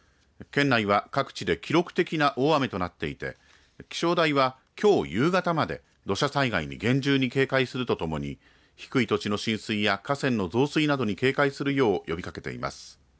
県内は、各地で記録的な大雨となっていて気象台は、きょう夕方まで土砂災害に厳重に警戒するとともに低い土地の浸水や河川の増水などに警戒するよう呼びかけています。